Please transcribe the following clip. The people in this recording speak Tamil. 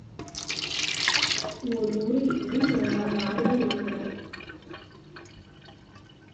ஓர் ஊரில் உடன்பிறந்தார் நால்வர் இருந்தனர்.